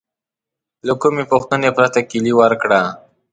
له کومې پوښتنې پرته کیلي ورکړه.